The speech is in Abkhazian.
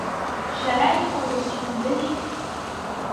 Шәара иҟалаз шәымдыри?